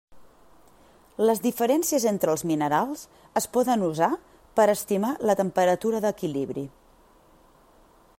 Les diferències entre els minerals es poden usar per estimar la temperatura d'equilibri.